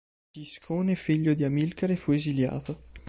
Giscone, figlio di Amilcare, fu esiliato.